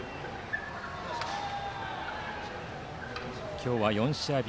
今日は４試合日。